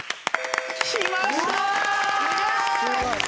きましたー！